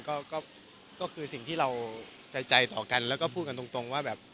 ก็คือสิ่งที่เราใจต่อกันแล้วก็พูดกันตรงว่าแบบ